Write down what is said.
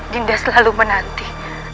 dinda selalu menanti